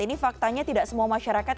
ini faktanya tidak semua masyarakat